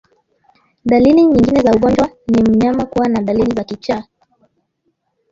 Dalili nyingine za ugonjwa ni mnyama kuwa na dalili za kichaa